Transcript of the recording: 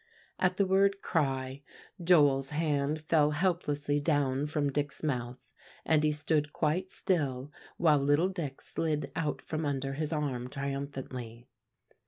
At the word "cry" Joel's hand fell helplessly down from Dick's mouth, and he stood quite still while little Dick slid out from under his arm triumphantly.